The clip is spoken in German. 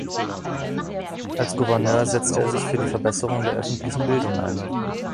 Als Gouverneur setzte er sich für die Verbesserung der öffentlichen Bildung ein.